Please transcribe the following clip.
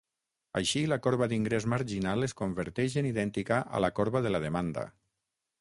Així la corba d'ingrés marginal es converteix en idèntica a la corba de la demanda.